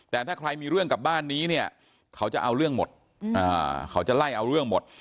แต่ถ้าใครมีเรื่องกับบ้านนี้เนี่ยเขาจะเอาเรื่องหมดเขาจะไล่เอาเรื่องหมด